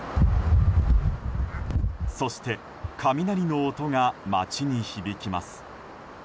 そして、雷の音が街に響きます。